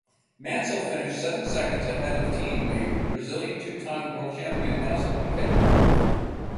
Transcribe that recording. Mansell finished seven seconds ahead of team mate Brazilian two-time World Champion Nelson Piquet.